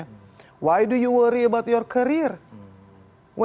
kenapa kamu khawatir tentang karirmu